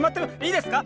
いいですか？